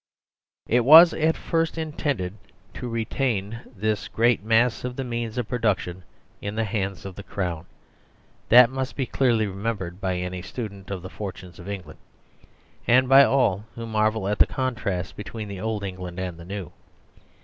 It was at first intended \.Q retain this great mass of the means of production in the hands of the Crown : that must be clearly remembered by any student of the fortunes of England, and by all who marvel at the contrast between the old England and the new.